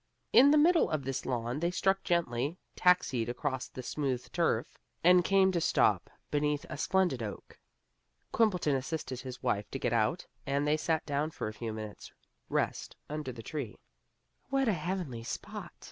In the middle of this lawn they struck gently, taxied across the smooth turf, and came to a stop beneath a splendid oak. Quimbleton assisted his wife to get out, and they sat down for a few minutes' rest under the tree. "What a heavenly spot!"